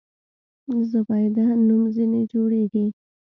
زبیده نوم ځنې جوړېږي.